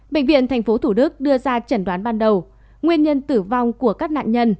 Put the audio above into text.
bệnh viện tp thủ đức đưa ra chẩn đoán ban đầu nguyên nhân tử vong của các nạn nhân